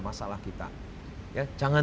masalah kita jangan